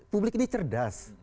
publik ini cerdas